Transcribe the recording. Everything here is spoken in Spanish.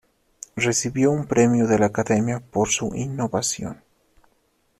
Recibió un Premio de la Academia por su innovación.